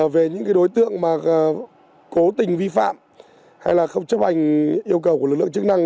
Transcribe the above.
về những đối tượng cố tình vi phạm hay là không chấp hành yêu cầu của lực lượng chức năng